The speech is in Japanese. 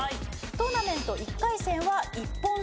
トーナメント１回戦は１本勝負。